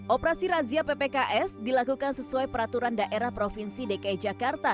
operasi razia ppks dilakukan sesuai peraturan daerah provinsi dki jakarta